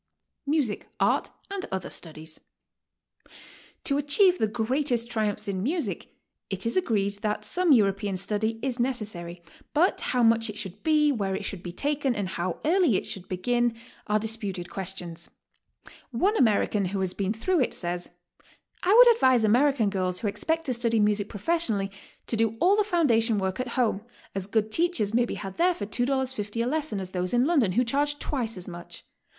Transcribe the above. MUSIC, ART, AND OTHER STUDIES. To achieve the greatest triumphs in music, it is agreed that some European study is necessary, but how much it should be, where it should be taken, and how early it should begin are disputed questions. One American who has been through it, says: 'T would advise American girls wtho ex pect to study music professionally, to do all the foundation work at home; as good teachers may be had there for $2.50 a lesson as those in I.ondon who charge twice as much.